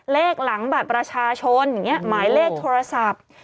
เลขหลังบัตรประชาชนอย่างนี้หมายเลขโทรศัพท์